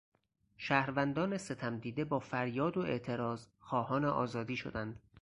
شهروندان ستمدیده با فریاد و اعتراض خواهان آزادی شدند.